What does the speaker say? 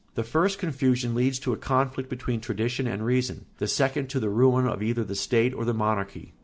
The first confusion leads to a conflict between tradition and reason; the second to the ruin of either the state or the monarchy.